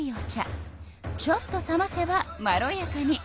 ちょっと冷ませばまろやかに。